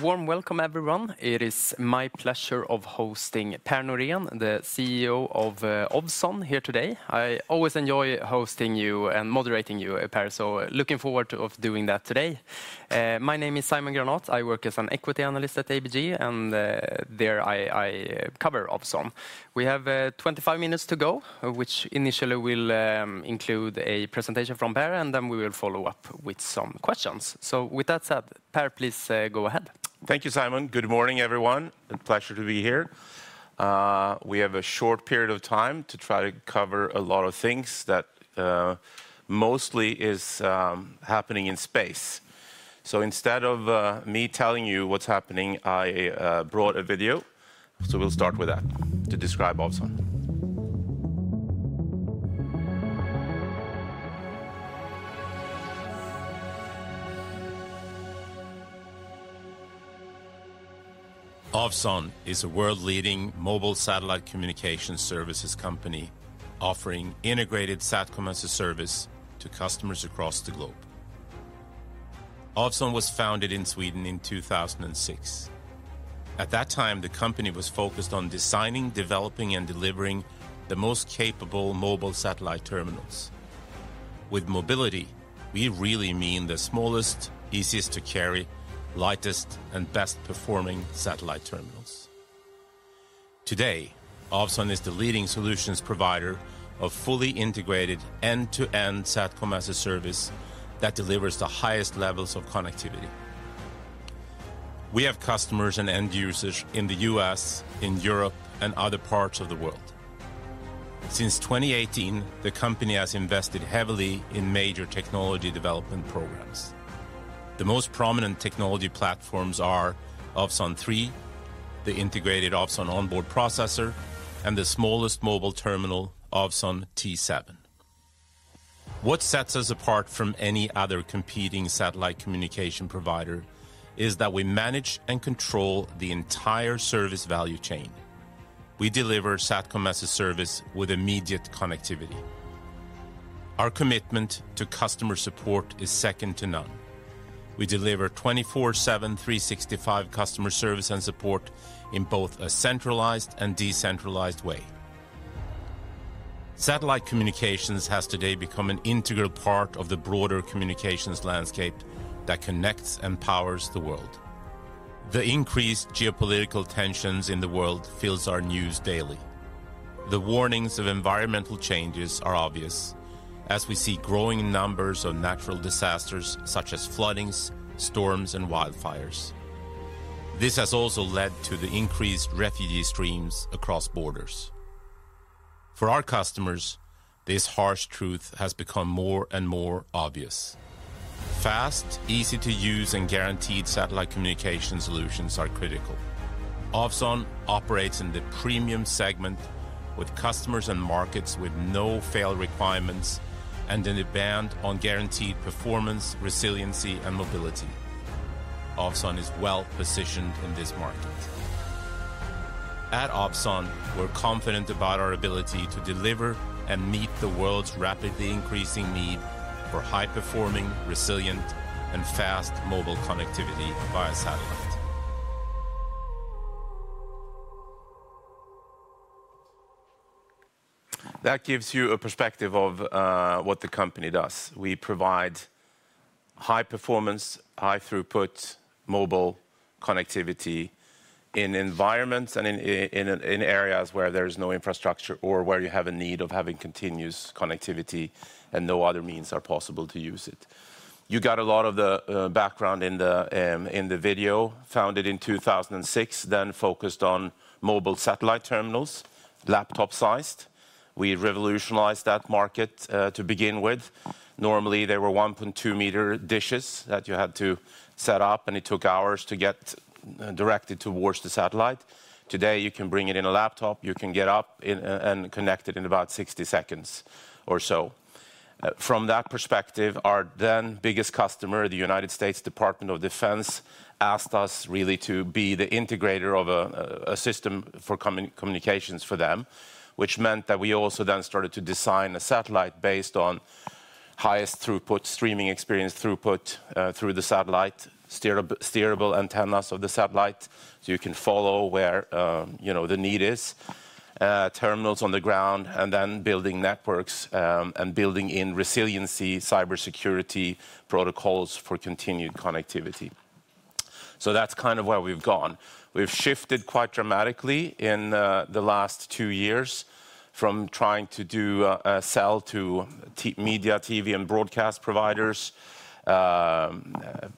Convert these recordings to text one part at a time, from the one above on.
Warm welcome, everyone. It is my pleasure of hosting Per Norén, the CEO of Ovzon here today. I always enjoy hosting you and moderating you, Per, so looking forward to doing that today. My name is Simon Granat. I work as an equity analyst at ABG, and there I cover Ovzon. We have 25 minutes to go, which initially will include a presentation from Per, and then we will follow up with some questions. So with that said, Per, please go ahead. Thank you, Simon. Good morning, everyone. A pleasure to be here. We have a short period of time to try to cover a lot of things that mostly is happening in space. So instead of me telling you what's happening, I brought a video. So we'll start with that to describe Ovzon. Ovzon is a world-leading mobile satellite communications services company offering integrated SATCOM-as-a-Service to customers across the globe. Ovzon was founded in Sweden in 2006. At that time, the company was focused on designing, developing, and delivering the most capable mobile satellite terminals. With mobility, we really mean the smallest, easiest to carry, lightest, and best-performing satellite terminals. Today, Ovzon is the leading solutions provider of fully integrated end-to-end SATCOM-as-a-Service that delivers the highest levels of connectivity. We have customers and end users in the U.S., in Europe, and other parts of the world. Since 2018, the company has invested heavily in major technology development programs. The most prominent technology platforms are Ovzon 3, the integrated Ovzon Onboard Processor, and the smallest mobile terminal, Ovzon T7. What sets us apart from any other competing satellite communication provider is that we manage and control the entire service value chain. We deliver SATCOM-as-a-Service with immediate connectivity. Our commitment to customer support is second to none. We deliver 24/7, 365 customer service and support in both a centralized and decentralized way. Satellite communications has today become an integral part of the broader communications landscape that connects and powers the world. The increased geopolitical tensions in the world fill our news daily. The warnings of environmental changes are obvious as we see growing numbers of natural disasters such as flooding, storms, and wildfires. This has also led to the increased refugee streams across borders. For our customers, this harsh truth has become more and more obvious. Fast, easy-to-use, and guaranteed satellite communication solutions are critical. Ovzon operates in the premium segment with customers and markets with no-fail requirements and in demand for guaranteed performance, resiliency, and mobility. Ovzon is well-positioned in this market. At Ovzon, we're confident about our ability to deliver and meet the world's rapidly increasing need for high-performing, resilient, and fast mobile connectivity via satellite. That gives you a perspective of what the company does. We provide high performance, high throughput mobile connectivity in environments and in areas where there is no infrastructure or where you have a need of having continuous connectivity and no other means are possible to use it. You got a lot of the background in the video. Founded in 2006, then focused on mobile satellite terminals, laptop-sized. We revolutionized that market to begin with. Normally, there were 1.2 m dishes that you had to set up, and it took hours to get directed towards the satellite. Today, you can bring it in a laptop. You can get up and connect it in about 60 seconds or so. From that perspective, our then biggest customer, the United States Department of Defense, asked us really to be the integrator of a system for communications for them, which meant that we also then started to design a satellite based on highest throughput streaming experience throughput through the satellite, steerable antennas of the satellite, so you can follow where the need is, terminals on the ground, and then building networks and building in resiliency, cybersecurity protocols for continued connectivity. So that's kind of where we've gone. We've shifted quite dramatically in the last two years from trying to do a sell to media TV and broadcast providers, other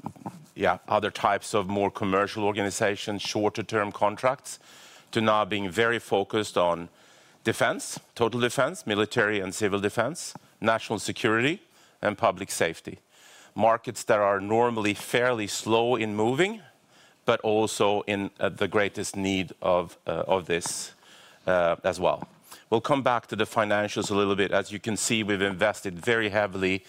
types of more commercial organizations, shorter-term contracts, to now being very focused on defense, total defense, military and civil defense, national security, and public safety. Markets that are normally fairly slow in moving, but also in the greatest need of this as well. We'll come back to the financials a little bit. As you can see, we've invested very heavily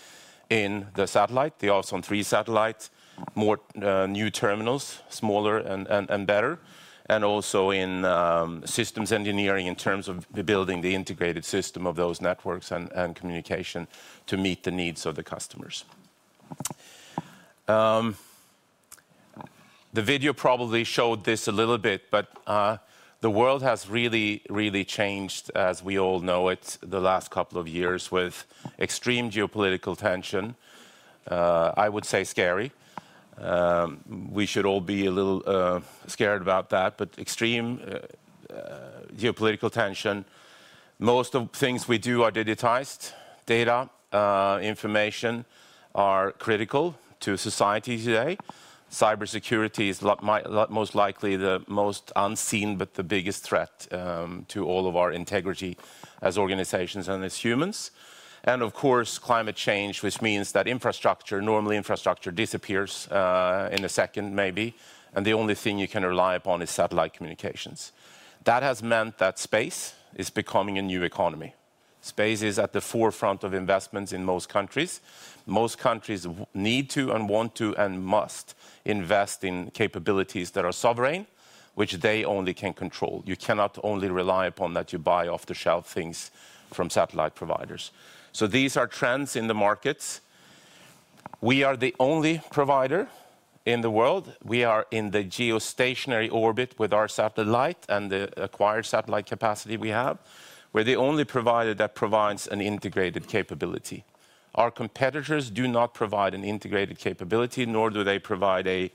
in the satellite, the Ovzon 3 satellite, more new terminals, smaller and better, and also in systems engineering in terms of building the integrated system of those networks and communication to meet the needs of the customers. The video probably showed this a little bit, but the world has really, really changed, as we all know it, the last couple of years with extreme geopolitical tension. I would say scary. We should all be a little scared about that, but extreme geopolitical tension. Most of the things we do are digitized. Data, information are critical to society today. Cybersecurity is most likely the most unseen, but the biggest threat to all of our integrity as organizations and as humans. And of course, climate change, which means that infrastructure, normally infrastructure disappears in a second maybe, and the only thing you can rely upon is satellite communications. That has meant that space is becoming a new economy. Space is at the forefront of investments in most countries. Most countries need to and want to and must invest in capabilities that are sovereign, which they only can control. You cannot only rely upon that you buy off-the-shelf things from satellite providers. So these are trends in the markets. We are the only provider in the world. We are in the geostationary orbit with our satellite and the acquired satellite capacity we have. We're the only provider that provides an integrated capability. Our competitors do not provide an integrated capability, nor do they provide a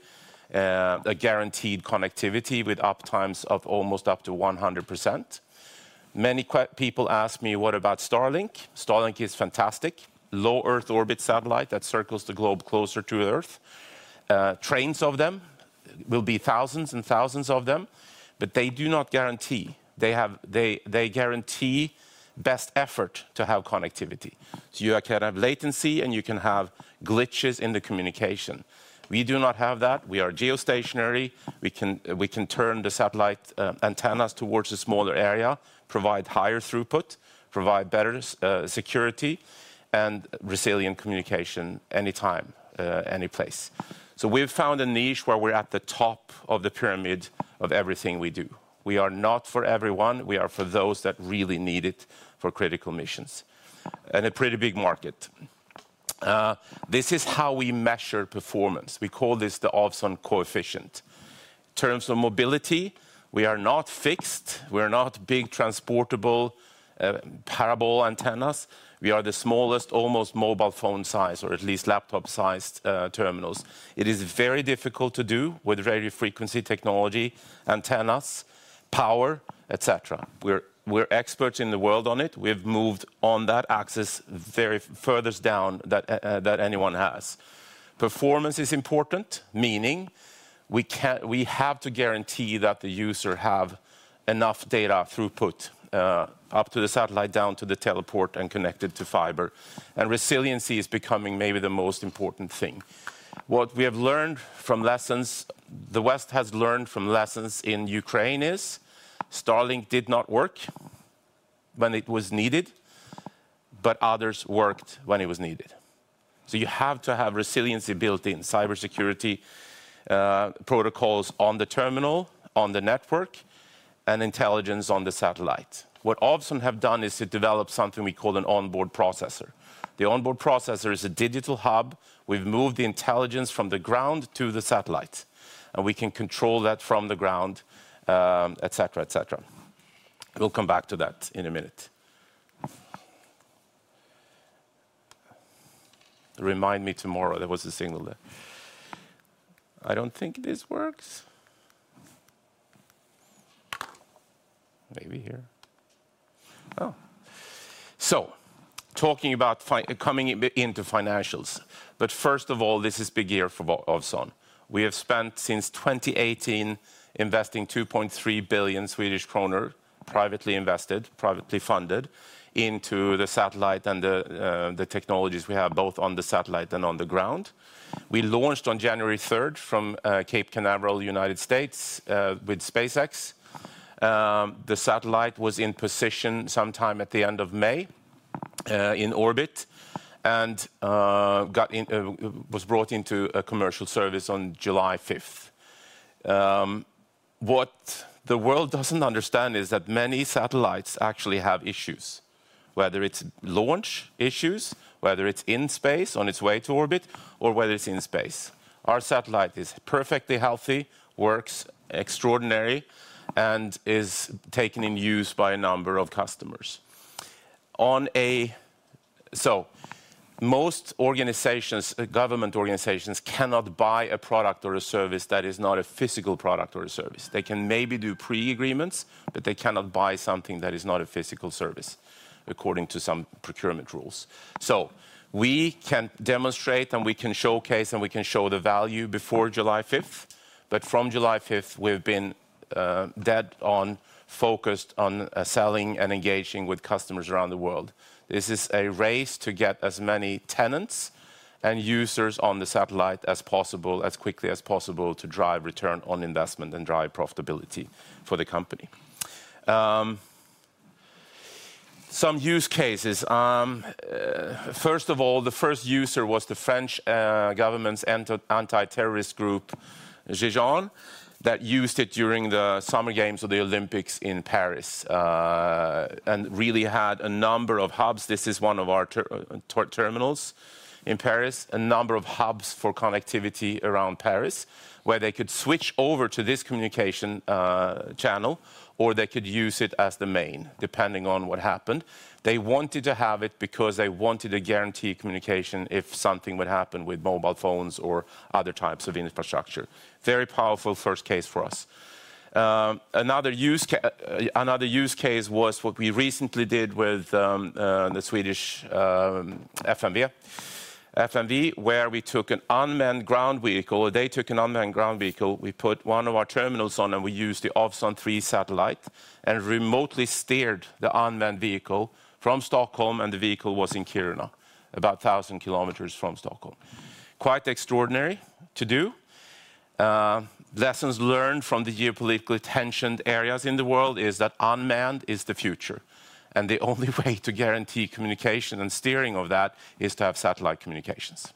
guaranteed connectivity with uptimes of almost up to 100%. Many people ask me, what about Starlink? Starlink is fantastic. Low Earth orbit satellite that circles the globe closer to Earth. Trains of them will be thousands and thousands of them, but they do not guarantee. They guarantee best effort to have connectivity. So you can have latency and you can have glitches in the communication. We do not have that. We are geostationary. We can turn the satellite antennas towards a smaller area, provide higher throughput, provide better security, and resilient communication anytime, any place. So we've found a niche where we're at the top of the pyramid of everything we do. We are not for everyone. We are for those that really need it for critical missions and a pretty big market. This is how we measure performance. We call this the Ovzon Coefficient. In terms of mobility, we are not fixed. We are not big transportable parabolic antennas. We are the smallest, almost mobile phone size, or at least laptop-sized terminals. It is very difficult to do with radio frequency technology, antennas, power, et cetera. We're experts in the world on it. We've moved on that axis very further down that anyone has. Performance is important, meaning we have to guarantee that the user has enough data throughput up to the satellite, down to the teleport, and connected to fiber, and resiliency is becoming maybe the most important thing. What we have learned from lessons, the West has learned from lessons in Ukraine, is Starlink did not work when it was needed, but others worked when it was needed, so you have to have resiliency built in, cybersecurity protocols on the terminal, on the network, and intelligence on the satellite. What Ovzon has done is to develop something we call an onboard processor. The onboard processor is a digital hub. We've moved the intelligence from the ground to the satellite, and we can control that from the ground, et cetera, et cetera. We'll come back to that in a minute. Remind me tomorrow. There was a signal there. I don't think this works. Maybe here. Oh. So talking about coming into financials, but first of all, this is big year for Ovzon. We have spent since 2018 investing $2.3 billion SEK, privately invested, privately funded into the satellite and the technologies we have, both on the satellite and on the ground. We launched on January 3rd from Cape Canaveral, United States, with SpaceX. The satellite was in position sometime at the end of May in orbit and was brought into commercial service on July 5th. What the world doesn't understand is that many satellites actually have issues, whether it's launch issues, whether it's in space on its way to orbit, or whether it's in space. Our satellite is perfectly healthy, works extraordinarily, and is taken in use by a number of customers. So most organizations, government organizations cannot buy a product or a service that is not a physical product or a service. They can maybe do pre-agreements, but they cannot buy something that is not a physical service according to some procurement rules. So we can demonstrate and we can showcase and we can show the value before July 5th, but from July 5th, we've been dead on focused on selling and engaging with customers around the world. This is a race to get as many tenants and users on the satellite as possible, as quickly as possible to drive return on investment and drive profitability for the company. Some use cases. First of all, the first user was the French government's anti-terrorist group, GIGN, that used it during the summer games of the Olympics in Paris and really had a number of hubs. This is one of our terminals in Paris, a number of hubs for connectivity around Paris where they could switch over to this communication channel or they could use it as the main, depending on what happened. They wanted to have it because they wanted to guarantee communication if something would happen with mobile phones or other types of infrastructure. Very powerful first case for us. Another use case was what we recently did with the Swedish FMV, where we took an unmanned ground vehicle. They took an unmanned ground vehicle. We put one of our terminals on and we used the Ovzon 3 satellite and remotely steered the unmanned vehicle from Stockholm, and the vehicle was in Kiruna, about 1,000 kilometers from Stockholm. Quite extraordinary to do. Lessons learned from the geopolitically tensioned areas in the world is that unmanned is the future, and the only way to guarantee communication and steering of that is to have satellite communications.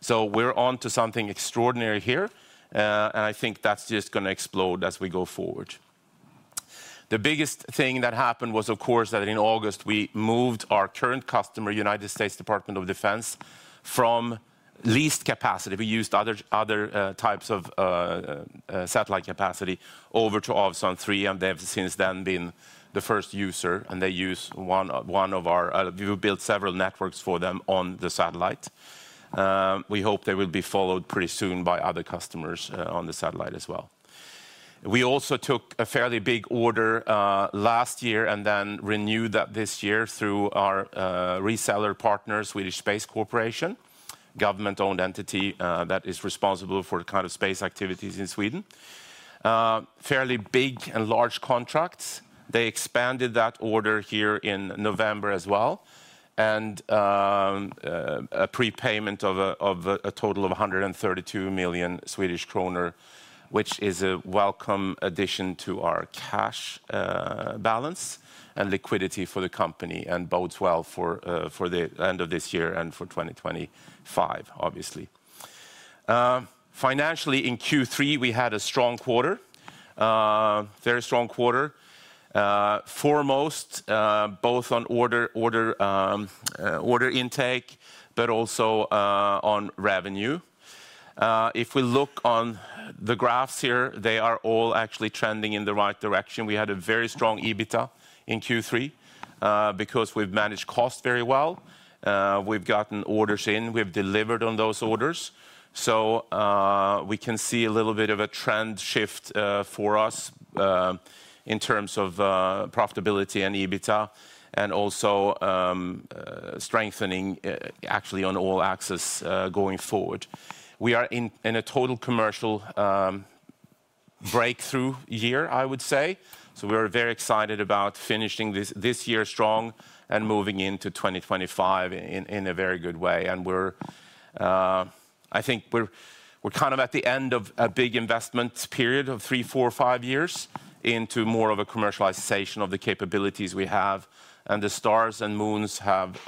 So we're on to something extraordinary here, and I think that's just going to explode as we go forward. The biggest thing that happened was, of course, that in August, we moved our current customer, United States Department of Defense, from leased capacity. We used other types of satellite capacity prior to Ovzon 3, and they've since then been the first user, and they use one of our. We've built several networks for them on the satellite. We hope they will be followed pretty soon by other customers on the satellite as well. We also took a fairly big order last year and then renewed that this year through our reseller partner, Swedish Space Corporation, a government-owned entity that is responsible for the kind of space activities in Sweden. Fairly big and large contracts. They expanded that order here in November as well and a prepayment of a total of 132 million Swedish kronor, which is a welcome addition to our cash balance and liquidity for the company and bodes well for the end of this year and for 2025, obviously. Financially, in Q3, we had a strong quarter, very strong quarter, foremost both on order intake, but also on revenue. If we look on the graphs here, they are all actually trending in the right direction. We had a very strong EBITDA in Q3 because we've managed cost very well. We've gotten orders in. We've delivered on those orders, so we can see a little bit of a trend shift for us in terms of profitability and EBITDA and also strengthening actually on all axes going forward. We are in a total commercial breakthrough year, I would say, so we're very excited about finishing this year strong and moving into 2025 in a very good way, and I think we're kind of at the end of a big investment period of three, four, five years into more of a commercialization of the capabilities we have. The stars and moons have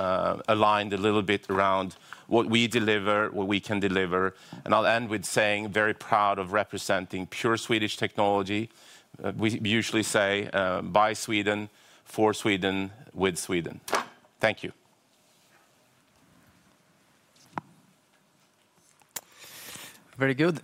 aligned a little bit around what we deliver, what we can deliver. I'll end with saying very proud of representing pure Swedish technology. We usually say, "By Sweden, for Sweden, with Sweden." Thank you. Very good.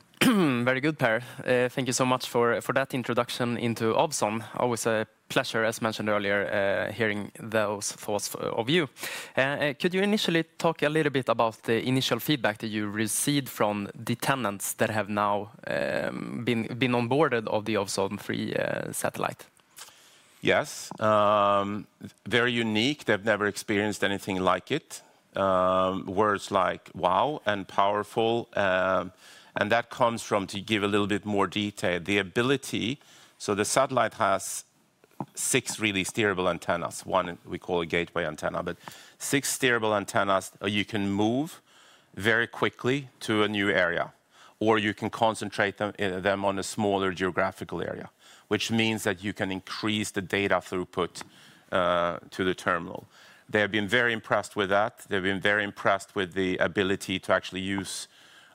Very good, Per. Thank you so much for that introduction into Ovzon. Always a pleasure, as mentioned earlier, hearing those thoughts of you. Could you initially talk a little bit about the initial feedback that you received from the tenants that have now been onboarded of the Ovzon 3 satellite? Yes. Very unique. They've never experienced anything like it. Words like wow and powerful. That comes from, to give a little bit more detail, the ability. The satellite has six really steerable antennas, one we call a gateway antenna, but six steerable antennas you can move very quickly to a new area, or you can concentrate them on a smaller geographical area, which means that you can increase the data throughput to the terminal. They have been very impressed with that. They've been very impressed with the ability to actually use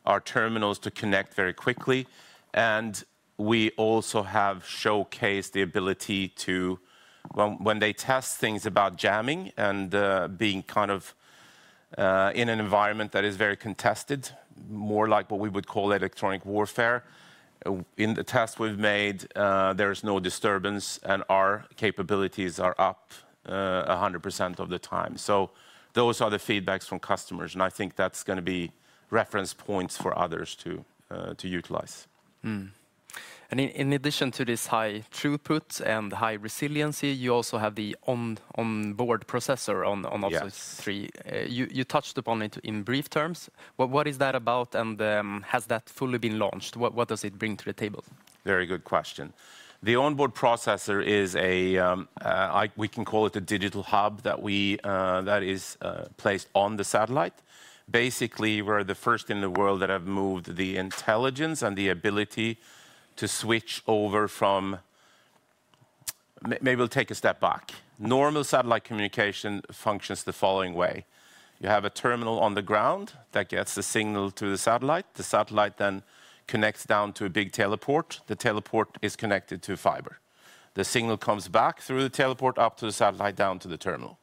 our terminals to connect very quickly. We also have showcased the ability to, when they test things about jamming and being kind of in an environment that is very contested, more like what we would call electronic warfare, in the test we've made, there is no disturbance and our capabilities are up 100% of the time. Those are the feedbacks from customers, and I think that's going to be reference points for others to utilize. In addition to this high throughput and high resiliency, you also have the onboard processor on Ovzon 3. You touched upon it in brief terms. What is that about, and has that fully been launched? What does it bring to the table? Very good question. The onboard processor is a, we can call it a digital hub that is placed on the satellite. Basically, we're the first in the world that have moved the intelligence and the ability to switch over from, maybe we'll take a step back. Normal satellite communication functions the following way. You have a terminal on the ground that gets the signal to the satellite. The satellite then connects down to a big teleport. The teleport is connected to fiber. The signal comes back through the teleport up to the satellite, down to the terminal.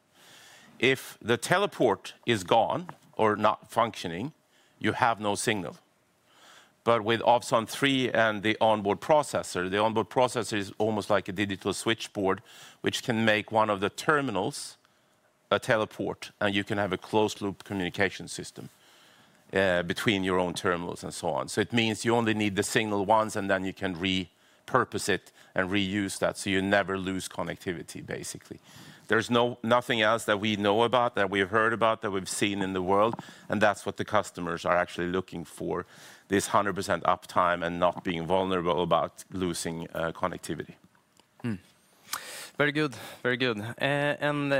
If the teleport is gone or not functioning, you have no signal. But with Ovzon 3 and the onboard processor, the onboard processor is almost like a digital switchboard, which can make one of the terminals a teleport, and you can have a closed-loop communication system between your own terminals and so on. So it means you only need the signal once, and then you can repurpose it and reuse that. So you never lose connectivity, basically. There's nothing else that we know about, that we've heard about, that we've seen in the world, and that's what the customers are actually looking for, this 100% uptime and not being vulnerable about losing connectivity. Very good. Very good. And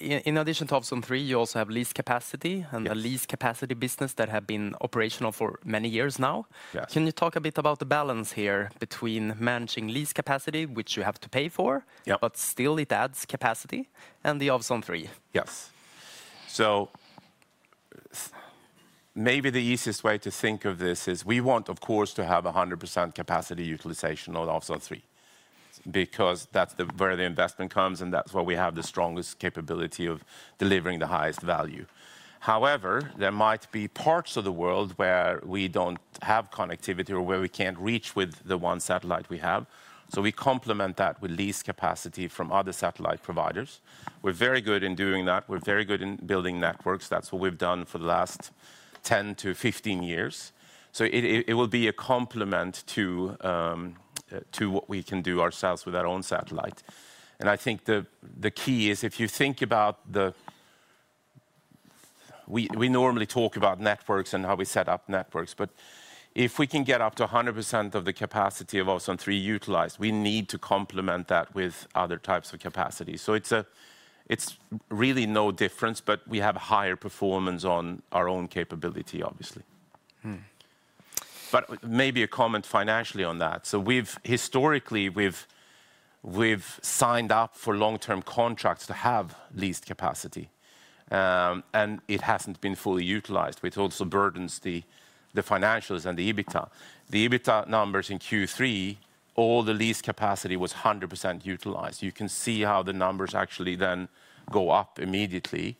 in addition to Ovzon 3, you also have leased capacity and a leased capacity business that have been operational for many years now. Can you talk a bit about the balance here between managing leased capacity, which you have to pay for, but still it adds capacity, and the Ovzon 3? Yes. So maybe the easiest way to think of this is we want, of course, to have 100% capacity utilization on Ovzon 3 because that's where the investment comes, and that's where we have the strongest capability of delivering the highest value. However, there might be parts of the world where we don't have connectivity or where we can't reach with the one satellite we have. So we complement that with leased capacity from other satellite providers. We're very good in doing that. We're very good in building networks. That's what we've done for the last 10 to 15 years. So it will be a complement to what we can do ourselves with our own satellite. I think the key is if you think about the, we normally talk about networks and how we set up networks, but if we can get up to 100% of the capacity of Ovzon 3 utilized, we need to complement that with other types of capacity. So it's really no difference, but we have higher performance on our own capability, obviously. But maybe a comment financially on that. So historically, we've signed up for long-term contracts to have leased capacity, and it hasn't been fully utilized, which also burdens the financials and the EBITDA. The EBITDA numbers in Q3, all the leased capacity was 100% utilized. You can see how the numbers actually then go up immediately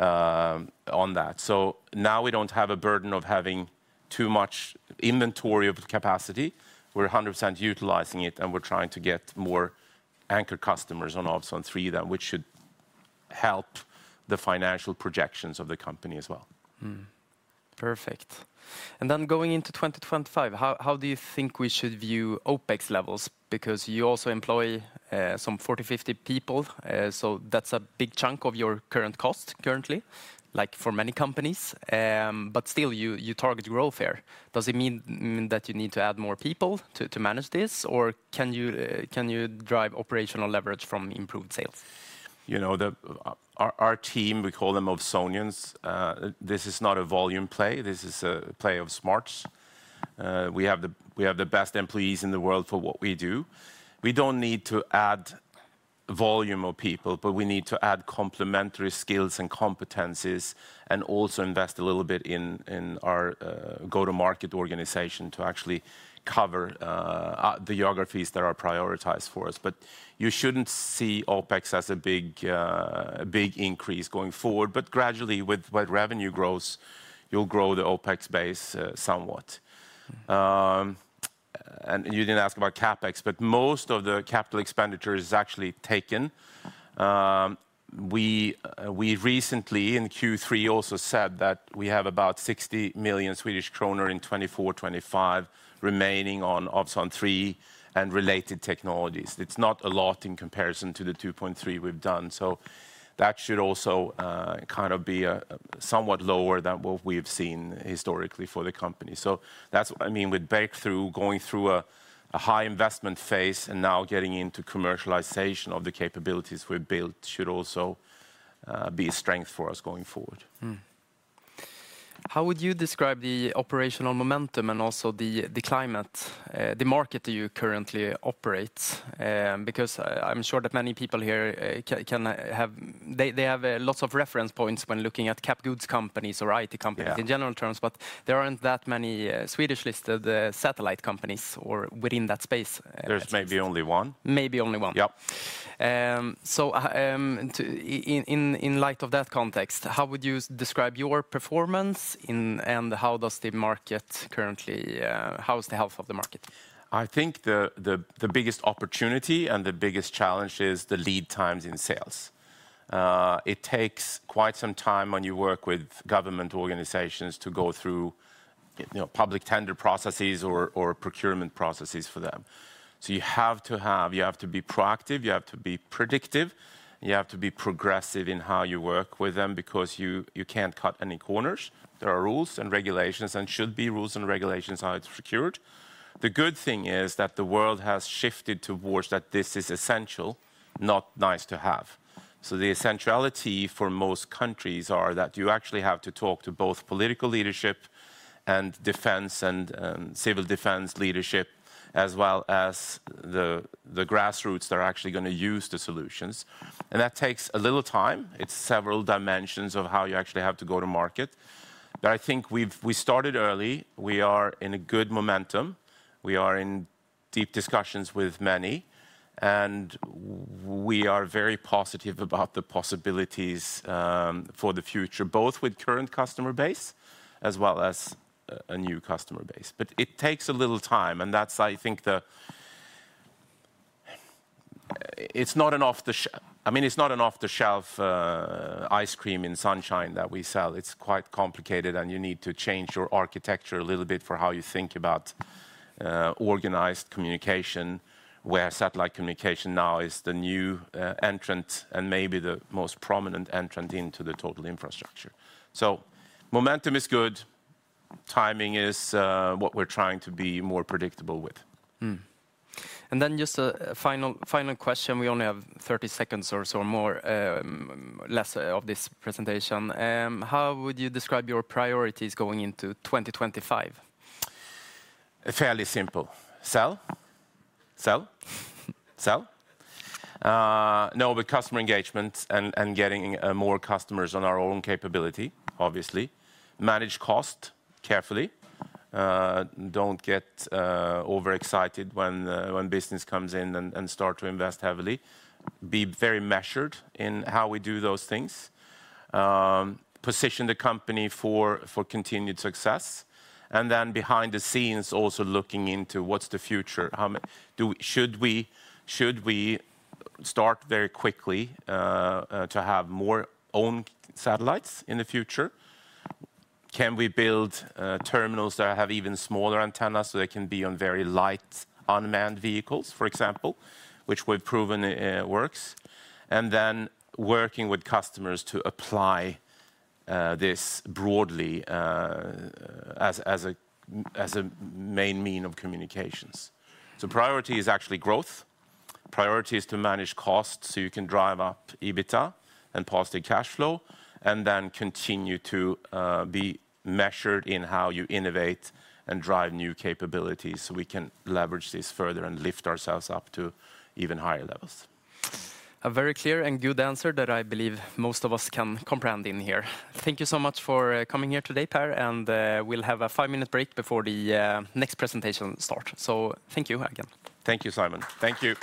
on that. So now we don't have a burden of having too much inventory of capacity. We're 100% utilizing it, and we're trying to get more anchor customers on Ovzon 3, which should help the financial projections of the company as well. Perfect. And then going into 2025, how do you think we should view OpEx levels? Because you also employ some 40-50 people, so that's a big chunk of your current cost currently, like for many companies. But still, you target growth here. Does it mean that you need to add more people to manage this, or can you drive operational leverage from improved sales? Our team, we call them Ovzonians. This is not a volume play. This is a play of smarts. We have the best employees in the world for what we do. We don't need to add volume of people, but we need to add complementary skills and competencies and also invest a little bit in our go-to-market organization to actually cover the geographies that are prioritized for us. But you shouldn't see OpEx as a big increase going forward, but gradually with revenue growth, you'll grow the OpEx base somewhat. And you didn't ask about CapEx, but most of the capital expenditure is actually taken. We recently in Q3 also said that we have about 60 million Swedish kronor in 2024, 2025 remaining on Ovzon 3 and related technologies. It's not a lot in comparison to the 2.3 billion we've done. So that should also kind of be somewhat lower than what we've seen historically for the company. So that's, I mean, with breakthrough going through a high investment phase and now getting into commercialization of the capabilities we've built should also be a strength for us going forward. How would you describe the operational momentum and also the climate, the market you currently operate? Because I'm sure that many people here, they have lots of reference points when looking at cap goods companies or IT companies in general terms, but there aren't that many Swedish-listed satellite companies or within that space. There's maybe only one. Yep. So in light of that context, how would you describe your performance and how does the market currently, how is the health of the market? I think the biggest opportunity and the biggest challenge is the lead times in sales. It takes quite some time when you work with government organizations to go through public tender processes or procurement processes for them. So you have to be proactive, you have to be predictive, you have to be progressive in how you work with them because you can't cut any corners. There are rules and regulations, and should be rules and regulations how it's procured. The good thing is that the world has shifted towards that this is essential, not nice to have. So the essentiality for most countries are that you actually have to talk to both political leadership and defense and civil defense leadership, as well as the grassroots that are actually going to use the solutions, and that takes a little time. It's several dimensions of how you actually have to go to market, but I think we started early. We are in a good momentum. We are in deep discussions with many, and we are very positive about the possibilities for the future, both with current customer base as well as a new customer base. But it takes a little time, and that's, I think, the, I mean, it's not an off the shelf ice cream in sunshine that we sell. It's quite complicated, and you need to change your architecture a little bit for how you think about organized communication, where satellite communication now is the new entrant and maybe the most prominent entrant into the total infrastructure. So momentum is good. Timing is what we're trying to be more predictable with. And then just a final question. We only have 30 seconds or so, less of this presentation. How would you describe your priorities going into 2025? Fairly simple. Sell. Sell. Sell. No, with customer engagement and getting more customers on our own capability, obviously. Manage cost carefully. Don't get overexcited when business comes in and start to invest heavily. Be very measured in how we do those things. Position the company for continued success. And then behind the scenes, also looking into what's the future. Should we start very quickly to have more own satellites in the future? Can we build terminals that have even smaller antennas so they can be on very light unmanned vehicles, for example, which we've proven works? And then working with customers to apply this broadly as a main means of communications. So priority is actually growth. Priority is to manage costs so you can drive up EBITDA and positive cash flow and then continue to be measured in how you innovate and drive new capabilities so we can leverage this further and lift ourselves up to even higher levels. A very clear and good answer that I believe most of us can comprehend in here. Thank you so much for coming here today, Per, and we'll have a five-minute break before the next presentation starts, so thank you again. Thank you, Simon. Thank you.